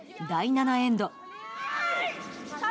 第７エンド。